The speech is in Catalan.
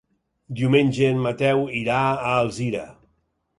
Diumenge en Mateu irà a Alzira.